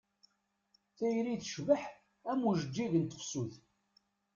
Tayri tecbeḥ am ujeǧǧig n tefsut.